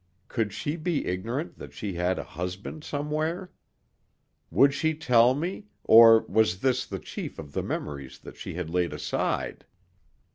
Could she be ignorant that she had a husband somewhere? Would she tell me or was this the chief of the memories that she had laid aside?